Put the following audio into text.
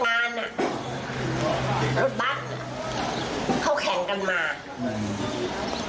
รถบัสเข้าแข่งกันมา